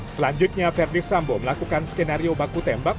selanjutnya verdi sambo melakukan skenario baku tembak